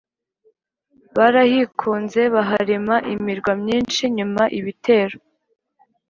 barahikunze baharema imirwa myinshi, nyuma ibitero